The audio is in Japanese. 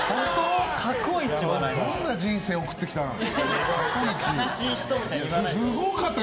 どんな人生送ってきたの。